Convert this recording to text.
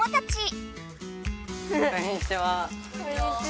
こんにちは。